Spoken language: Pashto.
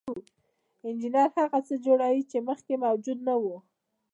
انجینر هغه څه جوړوي چې مخکې موجود نه وو.